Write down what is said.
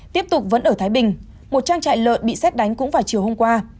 tiếp tục vẫn ở thái bình một trang trại lợn bị xét đánh cũng vào chiều hôm qua